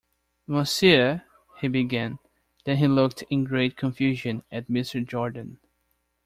“‘Monsieur,’” he began; then he looked in great confusion at Mr. Jordan.